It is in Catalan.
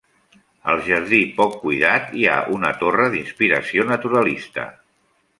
Al jardí, poc cuidat, hi ha una torre d'inspiració naturalista.